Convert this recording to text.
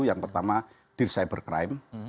yang pertama dear cybercrime